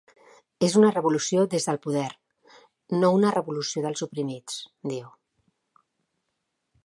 És una revolució des del poder, no una revolució dels oprimits, diu.